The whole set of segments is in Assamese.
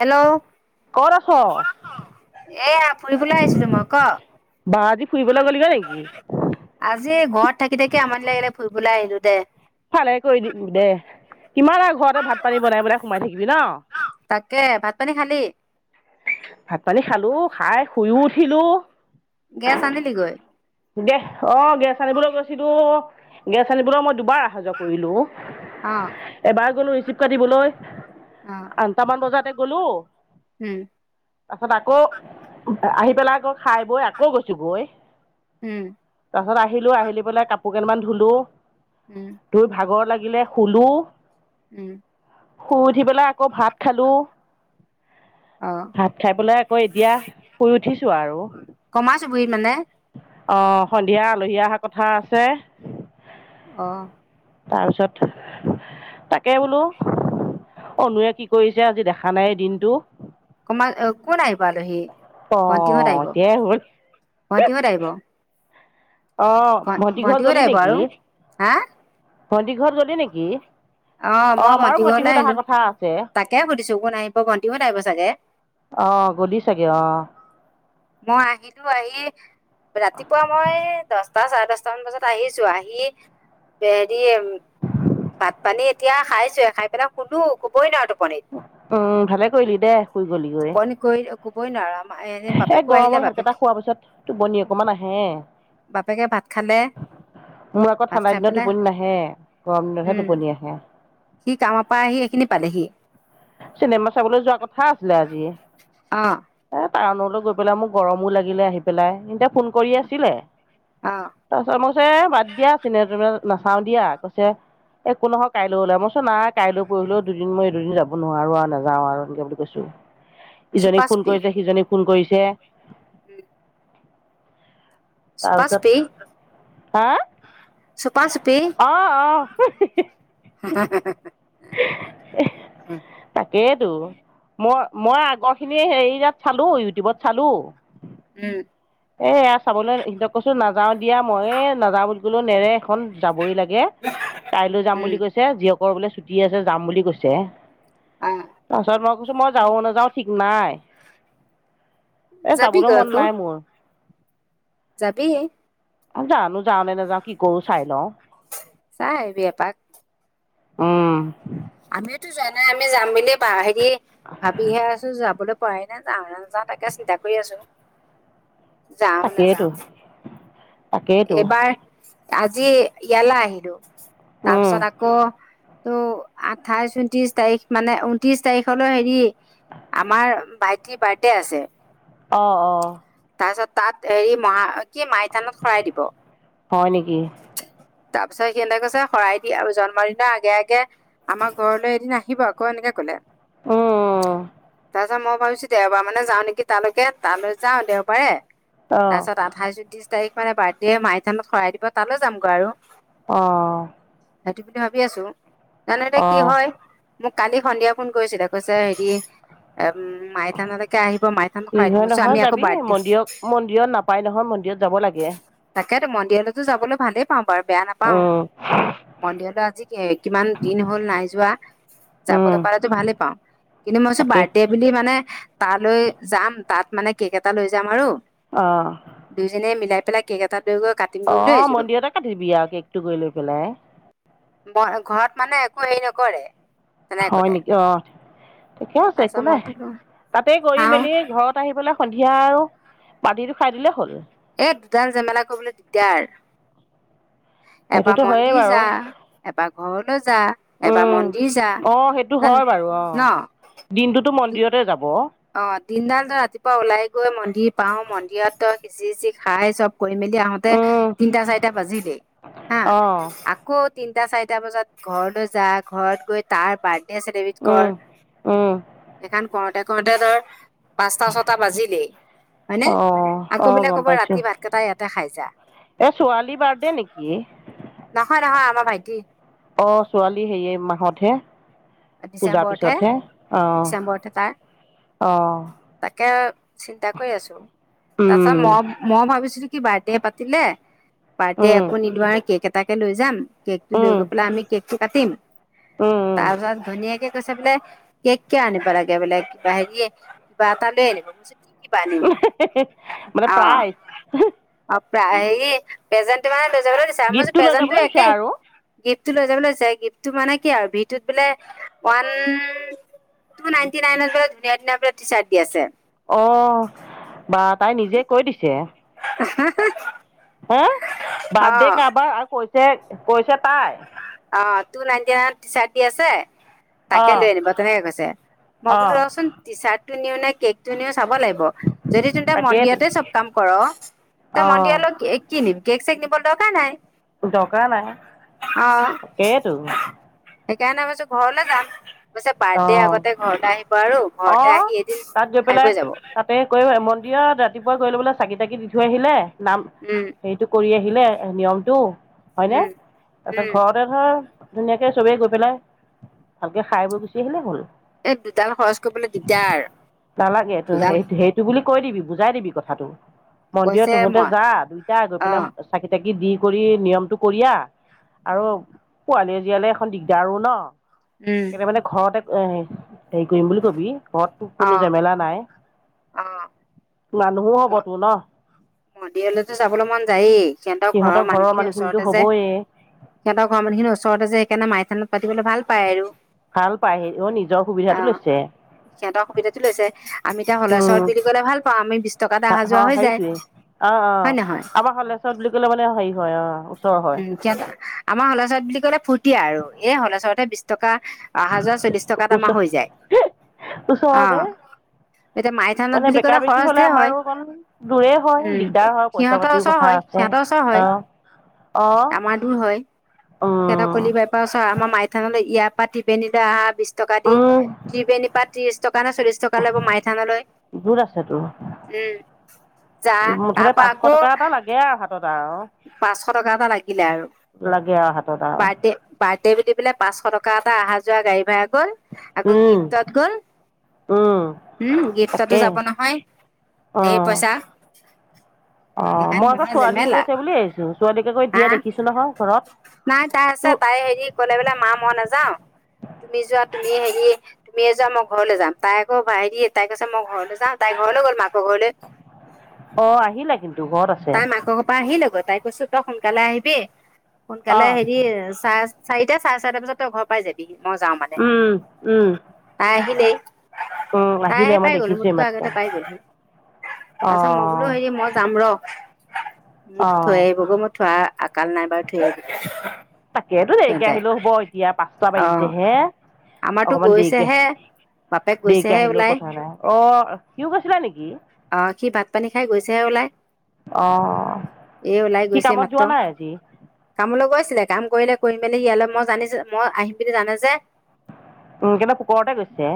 হেল্ল' কত আছ? এয়া ফুৰিবলৈ আহিছিলো মই ক বা আজি গ'লিগৈ ফুৰিবলৈ নেকি উলাই গলিগৈ নেকী আজি ঘৰত থাকি থাকি আমনি লাগিলে ফুৰিবলৈ আহিলো। দে। ভালে কৰিলি দে কিমান আৰু ঘৰতে ভাত পানী বনাই বনাই সোমাই থাকিবি ন' তাকে ভাত পানী খালি? ভাত পানী খালো খাই শুইও উঠিলো। গেছ আনিলি গৈ? গেছ অ, গেছ আনিবলৈ গৈছিলো। গেছ আনিবলৈ মই দুবাৰ অহা যোৱা কৰিলো। অ ৰিচিপ কাটিবলৈ, অ আনটামান বজাত এক গ'লো উম তাৰপিছত আকৌ আহি বেলাকৰ খাই বৈ আকৌ গৈছো গৈ। উম তাৰপিছত আহিলো, আহিলি পেলাই কাপোৰ কেইমান ধুলো। উম তোৰ ভাগৰ লাগ- লাগিলে, শুলো। উম শুই উঠি পেলাই, আকৌ ভাত খালো। অ ভাত খাই পলাই, আকৌ এতিয়া শুই উঠিছো আৰু। [unintelligible] মানে অ। সন্ধিয়া আলহী অহাৰ কথা আছে। তই অহ। তাৰপিছত তাকে বোলো অনুৱে কি কৰিছে আজি দেখা নাই দিনটো। কমাল কোন আহি পালো সি। ভন্তিহঁত অঁ আহিব, এতিয়াই হ'ল ভন্তিহঁত আহিব। অ, ভণ্টি ঘৰত ভন্টিহঁত গ'লি আহিব নেকি। আৰু হা ভন্তিৰ ঘৰত গলি নিকি অ, মই ভণ্টি ঘৰলৈ আহিলো আছে তাকে সুধিছো, কোন আহিব ভণ্টিহত আহিব চাগে। অঁ গ'লি চাগে মই আহিলো আহি। ৰাতিপুৱা মই দহ টা চাৰে দচটা মান বজাত আহিছো আহি হেৰি পানী এতিয়া খাইছোহে খাই পেলাই শুলো শুবই নোৱাৰো ত উম ভালে কৰিলি দে শুই গলি গৈ। বই নোৱাৰম। এই গৰমত ভাতকেইটা খোৱাৰ পিছত টোপনি অকমান আহে। বাপেকে ভাত খালে মোৰ আকৌ ভাত ঠাণ্ডাৰ খাই দিনত পেলাই টোপনি নাহে, গৰম দিনতহে উম টোপনি আহে। সি কামৰ পৰা আহি সেইখিনি পালেহি। চিনেমা চাবলৈ যোৱা কথা আছিলে আজি। অ। ফাৰ্মলৈ গৈ পেলাই মোক গৰমো লাগিলে আহি পেলাই এতিয়া ফোন কৰি আছিলে অ তাৰপিছত মই কৈছো এ বাদ দিয়া যোনে তোনে। নাচাও দিয়া কৈছে একো নহয় কাইলৈ ওলাব চুন নাই কাইলৈ পৰহিলেও দুদিন মই এই দুদিন যাব নোৱাৰো আও নাযাও আৰু এনেকে বুলি কৈছো। চুপা ইজনীক ফোন চুপি কৰিছে সিজনীক ফোন কৰিছে! তে উম। চুপা চুপি তাৰপিছত চুপা চুপি হা অহ অহ তাকেইতো মই মই আগৰখিনি হেৰি তাত চালোঁ ইউটিউবত চালোঁ। উম এ এয়া চাবলৈ সিহতক কৈছো নাযাও দিয়া মইয়ে নাযাওঁ বুলি বোলো নেৰে! খন যাবই লাগে কাইলৈ যাম উম বুলি কৈছে জিঅক আকৌ'বোলে ছুটি আছে যাম বুলি কৈছে অ তাৰ পিছত মই কৈছো মই যাও নাযাও ঠিক নাই। এ যাবলৈ যাবিগৈ মন আকৌ নাই মোৰ। যাবি! জানো যাও নে নাযাও কি কৰো চাই লওঁ। চাই আহিব এপাক। উম। আমিও টো যোৱা নাই আমি যাম বুলিয়ে দ ভাবিহে আছো যাবলৈ পোৱাই নাই যাওঁ নে নাযাও তাকে চিন্তা কৰি আছো যাও তাকেইতো নাযাও তাকেইতো এইবাৰ আজি ইয়ালে আহিলো উম তাৰপিছত আকৌ তো আঠাইছ ঊনত্ৰিছ তাৰিখ মানে ঊনত্ৰিছ তাৰিখলৈ হেৰি আমাৰ ভাইটিৰ বাৰ্থডে আছে। অঁ অঁ। তাৰপিছত তাত হেৰি মহা কি মাইটানত শৰাই দিব? হয় নেকি তাৰ পিছত সিহঁতে কৈছে শৰাই দিয়া আৰু জন্মদিনৰ আগে আগে আমাৰ ঘৰলৈ এদিন আহিব আকৌ এনেকে কলে। উম। তাৰপাছত মই ভাবিছো দেওবাৰ মানে যাওঁ নেকি তালৈ তালৈ যাওঁ দেওবাৰে। অ তাৰপিছত আঠাইশ ঊনত্ৰিশ তাৰিখ মানে বাৰ্থডে মাইথানত শৰাই দিব তালৈ যাম গৈ আৰু! আহ। সিহতি বুলি ভাবি আছো। নান এয়া, কি হয়। মোক কালি সন্ধিয়া ফোন কৰিছিলে কৈছে, হেৰি এ কি দিম হয়, মইছো নহয় আমি আকৌ যাবি বাৰ্থডে মন্দিৰত, মন্দিৰত নাপায় নহয়, মন্দিৰত যাব লাগে। ত মন্দিয়ালতো যাবলৈ ভালেই পাওঁবাৰু। বেয়া নাপাও উম মন্দিৰ পা আজি কিমান? দিন হ'ল নাই যোৱা উম যাবলৈ পতো ভালেই পাওঁ। কিন্তু মইছো তাকে বাৰ্থডে বুলি মানে তালৈ যাম তাত মানে কেক এটা লৈ যাম আৰু। অ দুজনে মিলাই। পেলাই কেক এটাত অ, মন্দিৰতে কাটিবি আৰু কেকটো কৰি লৈ পেলাই। ঘৰত। মানে একো হেৰি নকৰে। তেনেকে হয়, কলে নেকি অ, ঠিকে আছে একো তাৰপিছত মই নাই, বোলো তাতে গৈ চাওঁ মেলি ঘৰত আহিবলৈ সন্ধিয়া আৰু পাৰ্টিটো খাই দিলেই হ'ল। এ দুটা জেমেলা কৰিবলৈ দিগদাৰ। এবাৰ সেইটোতো হয়েই মন্দিৰ বাৰু যা, এবাৰ ঘৰলৈ যা, এবাৰ উম মন্দিৰ যা অঁ সেইটো হয় বাৰু অঁ ন। দিনটোতো মন্দিৰতে যাব অ, দিনদাল ৰাতিপুৱা ওলাই গৈ মন্দিৰ পাও। মন্দিৰ যি, যি খায়, চব কৰি মেলি আহোতে উম তিনটা চাৰিটা বাজিলেই। হা, অঁ আকৌ তি তিনটা চাৰিটা বজাত ঘৰলৈ যা, ঘৰত গৈ তাৰ বাৰ্থড আছে দেবিড ক, ৰ উম উম এইখন কত কওঁতে ধৰ পাঁচটা ছটা বাজিলেই হয়নে অঁ আকৌ বোলে কব ৰাতি ভাতকেইটাই ই দেখাই যা। এ, ছোৱালী বাৰ্থডে নেকি? নহয়, নহয় আমাৰ ভাইটি। অ, ছোৱালী হেয়ে মাহতহে। পূজাৰ ডিচেম্বৰতহে পিছতহে অ, ডিচেম্বৰতহে তাৰ অহ। তাকে চিন্তা কৰি আছো। তাৰছত উম মই, মই ভাবিছো বাৰ্থডে পাতিলে। পাৰ্টি উম একো নিদোয়াই কি? কেক এটাকে লৈ যাম কেকটো লৈ উম গৈ পেলাই আমি কে কাতিম উম উম তাৰ পি ধুনীয়াকে কৈছে বোলে, কেক কিয় আনিব লাগে বোলে কিবা হেৰিয়ে কিবা এটা দে হে হে হে হে হে, মানে প্ৰাইজ? প্ৰেযেন্ত টো দিছে আমাৰ গিফ্টটো লৈ প্ৰেজেন্ত টো যাবলৈ দিছে একে আৰু গি টো লৈ যাবলৈ দিছে গিফ্ট টো মানে কি আৰু সিটোত বোলে ওৱান টু নাইনটি নাইনৰ পৰা ধুনীয়া ধুনীয়া বোলে টি চাৰ্ট দি আছে। অ বাহ তাই নিজে কৈ দিছে তা হা হা হা, বাৰ্থডে কাৰোবাৰ আৰু কৈছে কৈছা পাই অ টু নাইনটি নাই টি চাৰ্টি দি আছে। তাকে অ' লৈ আনিব তেনেকে কৈছে। মই বোলো অ' ৰ'চোন টি চাৰ্ট টো নিউ নেকী? তুমিও চাব লাগিব। যদি তেন্তে তাকেইতো মন্দিৰতে চব কাম কৰ, তই অ' মন্দিৰলৈ কি কিনিম? কেক চেক নিবলৈ দৰকাৰাই নাই। দকাৰ নাই। অ এইটো। সেইকাৰণে আমি ঘৰলে‌ যাম। কৈছে বাৰ্থডেৰ অ' আগতে ঘৰতে আহিব আৰু অ ঘৰতে আহি এদিন তাত গৈ খাই পেলাই বৈ যাব তাতে কৈ মন্দিৰত ৰাতিপুৱা গৈ ল'বলৈ চাকি তাকি দি থৈ আহিলে নাম, উম সেইটো কৰি আহি। আহিলে নিয়মটো হয়নে উম তাৰপিছত উম ঘৰতে ধৰা ধুনীয়াকৈ চবেই গৈ পেলাই ভালকৈ খাইবৈ গুচি আহিলে হ'ল। দুটা খৰচ কৰিবলৈ দিকদাৰ নালাগে সেইটো দুডাল সেইটো বুলি কৈ দিবি বুজাই দিবি কথাটো। মন্দিৰত কৈছে তহোতে মই যা, দুইটাই গৈ অ পেলাই চাকি তাকি দি কৰি নিয়মটো কৰি আহ উম। ছোৱালী জিহলেও এখন দিগদাৰো ন। উম কে মানে ঘৰতে- উম সেই- কৰিম বুলি কবি। ঘৰতটো অ কোনো ঝামেলা নাই। অ মানুহো হ'ব তু নহ? মন্দিৰলৈ তো যাবলৈ মন যায়েই। সিহঁতৰ ঘৰৰ মানুহখিনি ওচৰতে যে, সিহঁতৰ ঘৰ-মানুহখিনি ওচৰতে যে, সেইকাৰণে মা- খনত পাতিবলে ভাল পায় আৰু। ভাল পায় নিজৰ অ সুবিধাটো লৈছে সিহঁতৰ অসুবিধাটো লৈছে। আমি এতিয়া উম হলেশ্বৰত বুলি ক'লে ভাল পাম। আমি বিশ টকাত অহা-যোৱা হৈ যায়। অহ হয় অহ, নহয় আমাৰ হলেশ্বৰত বুলি ক'লে মানে সেই- হয়, অহ উম। কেল- আমাৰ হলেশ্বৰত বুলি ক'লে ফূুৰ্তী আৰু। এ হলেশ্বৰত হে বিশ টকা। অহা-যোৱা চব বিশ টকাত আমাৰ ওচৰ হৈ যায়। অ'হ, ওচৰতে এতিয়া মাইথানত মানে বুলি বেকা ক'লে বেকি সহজতে হলে হে আমাৰো হয়। অকণ দূৰে হয় উম, দিগদাৰ হয় পইচা সিহঁতৰ পাতিও ওচৰ কথা হয়, আছে সিহঁতৰ ওচৰ হয়। অ অ আমাৰ দূৰ হয়। সিহঁতৰ উম কলিবাই পৰা ওচৰ, আমাৰ মাই- থানলৈ ইয়াৰ পৰা তিপেনিলৈ অহা বিশ- টকা দি, উম ত্ৰিবেনী পৰা ত্ৰিশ- টকা নে চল্লিশ টকা লব মাই থানলৈ। গোট আছে তোৰ উম। যা, তাৰ মুঠতে পৰা পাঁচশ টকা আকৌ- এটা লাগে আৰু হাতত আৰু পাঁচশ টকা এটা লাগিলে আৰু। লাগে আৰু হাতত আৰু ৰ্বাডে, ৰ্বাডে বুলি পেলাই পাঁচশ টকা- অহা-যোৱা গাড়ী ভাড়া। গ'ল। আকৌ উম গিফটত গ'ল। উম হম, গিফটতো তাকে যাব নহয়, ধেৰ পইচা। অঁহ, এইখন মই আকৌ মহা ছোৱালীও জেমেলা গৈছে বুলি- আহিছো ছোৱালীকে আকৌ হা, এতিয়া দেখিছো নহয় ঘৰত নাই তাই আছে, তোৰ তাই হেৰি ক'লে বোলে, মা মই নাযাওঁ। তুমি যোৱা তুমিয়ে হেৰি- ৰি তুমিয়ে যোৱা, মই ঘৰলৈ যাম। তাই আকৌ ভা হেৰি, তাই কৈছে মই ঘৰলৈ যাম, তাই ঘৰলৈ লৈ গ'ল মাক- অঁহ, আহিলে কিন্তু ঘৰত আছ- তাই মাকৰ ঘৰ পৰা আহি- ল আকৌ। তাই কৈছে, তই সোনকালে আহিবি- অ সোনকালে আহিবি‌ চাৰ- চাৰিটা চাৰে চাৰিটা বজাত তোই ঘৰ পাই যাবি। মই যাওঁ মানে উম উম তাই আহিলি। উম [unintelligible] তাই আহিলে মই পাই গ'লো দেখিছো এই মোকতো মাত্ৰ আগতে পাই গল তাৰ অ পাছত মই বোলো হেৰি মই যাম ৰ। মোক অ থৈ আহিবগৈ মোক থোৱা। আকাল নাই বাৰু ঠিক। তাকেইেতো দেৰিকে আহিলেও হব এতিয়া পাঁচটা অ বাঢ়িছেহে আমাৰতো অকনমান দেৰিকে গৈছেহে বাপেক দেৰিকে গৈছেহে আহিলেও ওলাই কথা নাই অ সিও গৈচিলা নেকি। অ' এ ওলাই সি গৈছে কামত মাত্ৰ। যোৱা নাই আজি কামলৈ গৈ আছিলে। কাম কৰিলে কৰি মেলি ইয়ালৈ মই জনইচ মই আহিম বুলি জানে যে। উম কেলে পোকৰতে গৈছে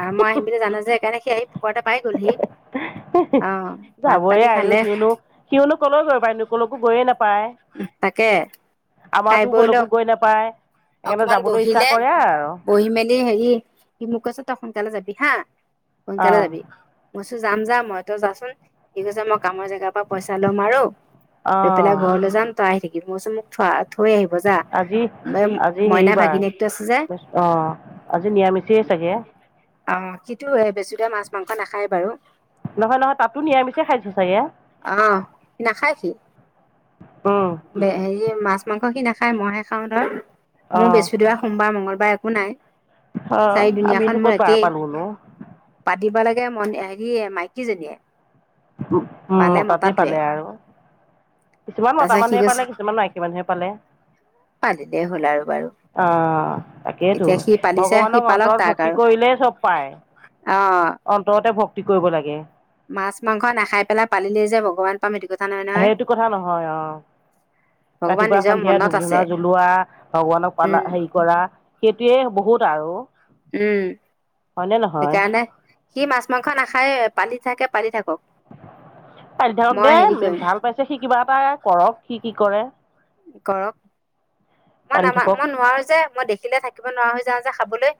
অঁ। মই আহিম বুলি জানো যে সেইকাৰণে সি আহি পোকতে পাই গলহি। অঁ, ভাত পানী খালে। সিওঁনো কলৈ গৈ পাৰি, কলৈ গৈ নাই। তাকে। খাই আমাৰতো বৈ লৈ কলেকো গৈ নাপায়। সেইকাৰণে যাবলৈ ইচ্ছা কৰে আৰু। এই হেৰী, কি বুলি কৈছে তই সোনকালে কবি হান। সোনকালে অ' যাবি। যাম যায় মই তই যায় সোণ [unintelligible] কামৰ জেগাৰ পৰা পইচা ল'ম আৰু লৈ পেলাই অ' ঘৰলৈ যাম তই আহি থাকিব। কি মৌচমক থোৱাত থৈ আহিব যায়। আজি মেম আজি হেৰী বাৰ বৃহস্প আজি ন্যামিছে চাগে। অ, খিটো এ বেছিকে মাছ-মাংস নাখায় বাৰু। নহয় নহয় তাতো নিৰামিষে খাইছোঁ চাগে। উম ডে হেৰীয়ে মাছ। মাংস সি নাখায়, মই সে খাওঁ ধৰ। মোৰ অ' বৃহস্পতিবাৰ, সোমবাৰ, মঙ্গল। বা একো নাই। অঁ চায়ি আমিনো দিনিয়াখন মো ক'ত বাৰ একেই। পালোঁ নো পাদিবা লাগ য়ে মন এ কি মাইকীজনীয়ে। বোক মতাটোৱে পালে আৰু। কিছুমান মতা তাৰপিছত সি মানুহে কৈছে পালে কিছুমান মাইকী মানুহে পালে। পালিলেই হ'ল আৰু বাৰু অ তাকেইতো এতিয়া সি পালিছে সি ভগৱানক পালক অন্তৰত তাক ভৰ্তি আৰু কৰিলেই চব পায়। অ অন্তৰত এ ভক্তি কৰিব লাগে। মাছ, মাংস নাখাই পেলাই, পালিলে যে ভগৱান পাম সেইটো কথা নহয় নহয় সেইটো কথা নহয় আহ। ভগৱান নিজৰ ৰাতিপুৱা-সন্ধিয়া মনত আছে ধূপ-ধূনা জ্বলোৱা ভগৱানক পালা উম হেৰি কৰা, সেইটোৱে বহুত আৰু। উম হয়নে নহয়? সেইকাৰণে সি মাছ-মাংস নাখায়ে, পালি থাকে পালি থাকো। পালি থাকক দেই, হেৰি কৰিম ভাল পাইছে সি কিবা এটা কৰক সি। কি কৰে। কৰক, পালি মই-নামা থাকক মই নোৱাৰো যে মই দেখিলে থাকিব নোৱাৰা হয় যা-যা খাবলৈ।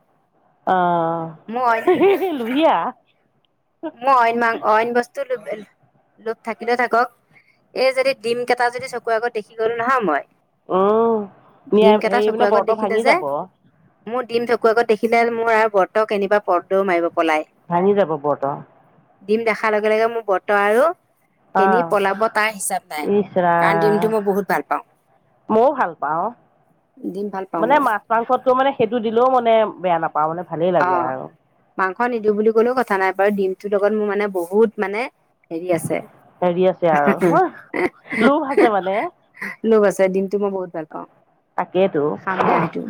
মোৰ আহ [unintelligible] লোহিয়া। মই অইন মাং অইন বস্তু [unintelligible] লোভ থাকিলে থাকক, এই যদি ডিম কেইটা যদি চকু চকুৰ আগত দেখি গলো নহয় মই উম ডিম নিয়াই কেইটা হেৰি চকুৰ মানে আগত ব্ৰত দেখিলে ভাঙি যে যাব মোৰ ডিম কুৰ আগত দেখিলে মোৰ আৰু বৰ্তক কেনিবা [unintelligible] মাৰিব। পলাই ভঙি যাব বৰ্ত। ডিম দেখাৰ লগে লগে মোৰ বৰ্ত আৰু কেনি আহ পলাব তাৰ হিচাপ নাই কাৰণ ইচলাম ডিমটো মই বহুত ভাল পাওঁ মইও ভাল পাওঁ। ডিম ভাল পাওঁ মানে মই মাছ, মাংসটো মানে সেইটো দিলেও মই বেয়া বেয়া নাপাও অ, মাংস নিদিওঁ বুলি কোননেও কথা নাই বাৰু, দিম টো লগত মোৰ মানে বহুত মানে হেৰি আছে। হেৰি আছে আৰু হ লোভ আছে মানে লোভ আছে। এ দিন মই বহুত ভাল পাওঁ, তাকেইতো উম খামে আৰু সেইটো।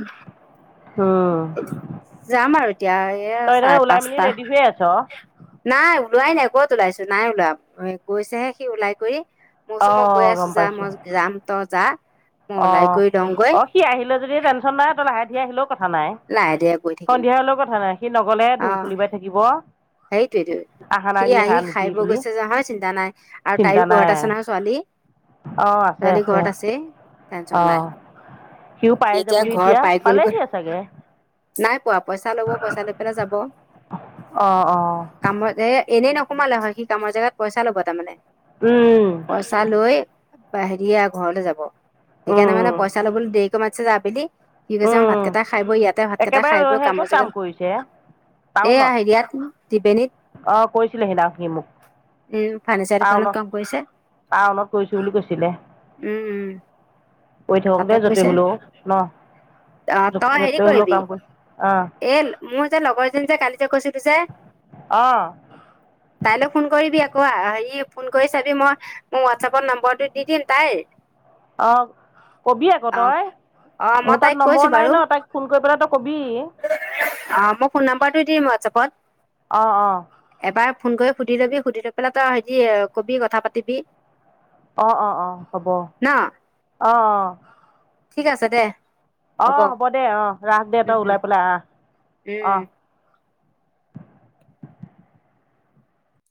যাম আৰু এতিয়া এইয়া তই তাৰমানে চাৰে ওলাই মেলি পাঁচটা। ৰেডি হৈয়ে আছ নাই ওলোৱাই নাই ক'ত ওলাইছো, নাই ওলাম গৈছেহে সি ওলাই কৰি। অ মইওচো মই গৈ গম আছো যাম পাইছো মই যাম। ত যা মই ওলাই অ', কৰি লওঁগৈ অ', সি আহিলে যদি টেনশ্যন নাই লাহে সি আহিলওক লাহে দে গৈ থাকিম কথা নাই সি নগলে অ ধুম খুলি বাই থাকিব সেইটোৱে টো আহা সি নাই নি আহি আহা খাই নেকি বৈ বুলি গৈছে যে হয় চিন্তা নাই আৰু চিন্তা তাইৰো ঘৰত নাই আছে নহয় ছোৱালী ছোৱালী ঘৰত আছে। টেনচন অ, নাই। সিও সি পাই যাবহি ঘৰ এতিয়া, পাই গ'লগৈ পালেহি চাগে। নাই পোৱা পইচা লব, পইচা লৈ পেলাই যাব। অঁ অঁ কামত এ এনেই নকৰে। সোমালে হয় সি কাম জাগাত পইচা লব তাৰমানে পইচা লৈ হেৰিয়া ঘৰলে যাব সেইকাৰণে মানে পইচা লবলৈ দেৰিকে মাত [unintelligible] ঠিক আছে ভাতকেইটা খাইবৈ ইয়াত একেবাৰে লৈহে ক'ত কাম কৰিছে এইয়া হেৰিয়াত ত্ৰিবেণীত টাউনত অ কৰিছিলে সিনা সি মোক উম ফাৰ্নিচাৰ দোকানত টাউনত কাম কৰিছে টাউনত কৰিছো বুলি কৈছিলে উম উম। কৰি থাকক তাতে দে য'তে কৈছে হলেও ন অ তই হেৰি য'তে হ'লেও কয়বি কাম কৰি অঁ এ মোৰ যে লগৰ এজনি যে কালি যে কয়চো যে অঁ কাইলৈ ফোন কৰিবি আ কোৱা হেৰি ফোন কৰি চাবি মই মোৰ হোৱাটছপত নাম্বৰটো দি দিম তাইৰ অ কবি আকৌ অ তই অ মই মোৰ তাত তাইক কৈছো নম্বৰ নাই বাৰু ন তাইক ফোন কৰি পেলাই তই কবি অ মই ফোন নাম্বাৰটো দিম ৱাটচপট অ অ এবাৰ ফোন কৰি সুধি লবি সুধি লৈ পেলাই তই হে কবি কথা পাতিবিলাই অ অ অ হব অ অ অ ঠিক আছে দে অঁ হ'ব দে, অ ৰাস দে তই উম ওলাই পেলাই আহ উম আহ।